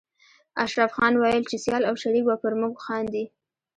اشرف خان ويل چې سيال او شريک به پر موږ خاندي